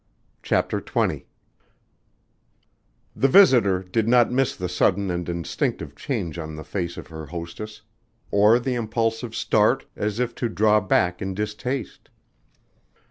CHAPTER XX The visitor did not miss the sudden and instinctive change on the face of her hostess or the impulsive start as if to draw back in distaste.